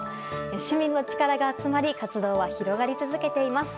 市民の力が集まり活動は広がり続けています。